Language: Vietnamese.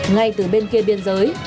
ngay từ bên kia biên giới